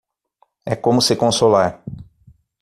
É como se consolar.